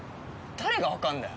誰がわかんだよ？